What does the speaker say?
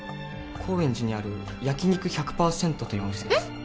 高円寺にある焼肉１００％というお店ですえっ？